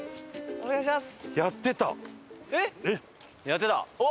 お願いします！